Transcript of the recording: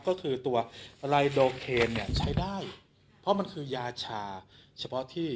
ก็คือตัวไลโดเคนเนี่ยใช้ได้เพราะมันคือยาชาเฉพาะที่